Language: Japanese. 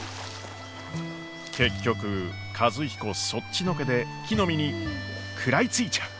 結局和彦そっちのけで木の実に食らいついちゃう。